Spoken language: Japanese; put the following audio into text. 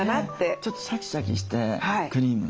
ちょっとシャキシャキしてクリームが。